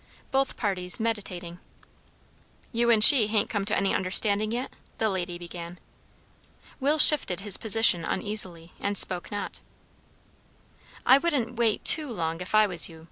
Both parties meditating. "You and she hain't come to any understanding yet?" the lady began. Will shifted his position uneasily and spoke not. "I wouldn't wait too long, if I was you.